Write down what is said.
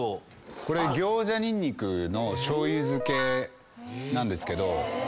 これ行者ニンニクの醤油漬けなんですけど。